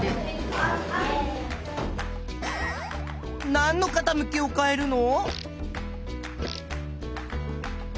なんのかたむきを変えるの？